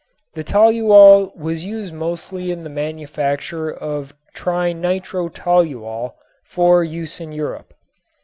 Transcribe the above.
The toluol was used mostly in the manufacture of trinitrotoluol for use in Europe.